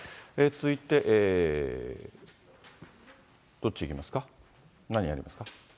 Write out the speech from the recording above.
続いて、どっちいきますか、何やりますか。